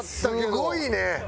すごいね！